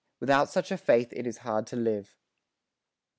Without such a faith it is hard to live....